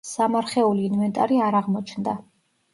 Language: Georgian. სამარხეული ინვენტარი არ აღმოჩნდა.